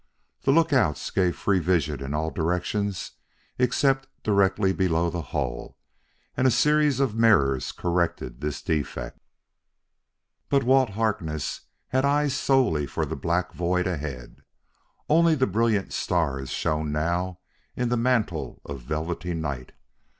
The lookouts gave free vision in all directions except directly below the hull, and a series of mirrors corrected this defect. But Walt Harkness had eyes solely for the black void ahead. Only the brilliant stars shone now in the mantle of velvety night.